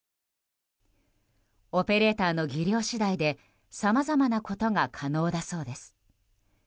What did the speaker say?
オペレーターの技量次第でさまざまなことが可能だそうです。